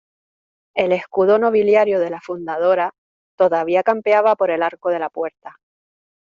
el escudo nobiliario de la fundadora todavía campeaba sobre el arco de la puerta.